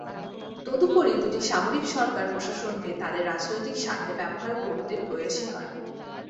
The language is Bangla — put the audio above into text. তদুপরি দুটি সামরিক সরকার প্রশাসনকে তাদের রাজনৈতিক স্বার্থে ব্যবহার করতে প্রয়াসী হয়।